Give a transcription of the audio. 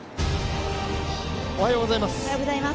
おはようございます。